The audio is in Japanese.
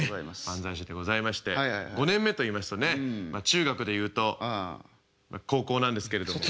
漫才師でございまして５年目といいますとねまあ中学でいうと高校なんですけれども。